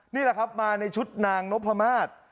นี่แหละครับมาในชุดนางนพมาศ